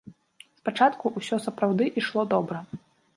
Спачатку ўсё сапраўды ішло добра.